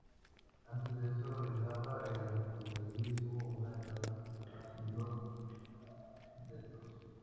Antes de eso reinaba el feudalismo, una "edad más temprana" de los "adeptos".